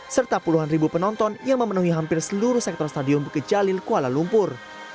serta puluhan ribu penonton yang memenuhi hampir seluruh sektor stadium bukit jalil kuala lumpur